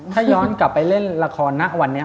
ถ้าย้อนกลับไปเล่นละครณวันนี้